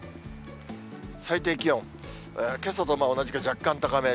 最低気温、けさと同じか若干高め。